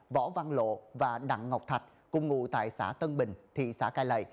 võ văn lộ và đặng ngọc thạch cùng ngụ tại xã tân bình thị xã cai lầy